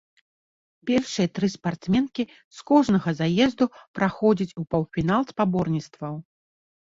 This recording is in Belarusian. Першыя тры спартсменкі з кожнага заезду праходзяць у паўфінал спаборніцтваў.